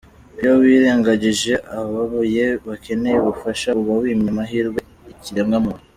Iyo wirengagije ababaye bakeneye ubufasha, uba wimye amahirwe ikiremwa muntu.